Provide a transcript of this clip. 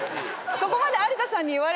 そこまで。